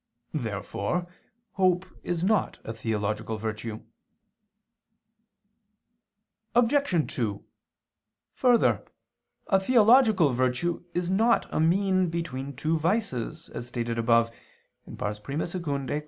Therefore hope is not a theological virtue. Obj. 2: Further, a theological virtue is not a mean between two vices, as stated above (I II, Q.